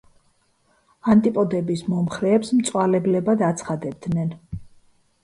ანტიპოდების მომხრეებს მწვალებლებად აცხადებდნენ.